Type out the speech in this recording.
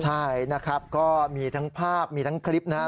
ใช่นะครับก็มีทั้งภาพมีทั้งคลิปนะครับ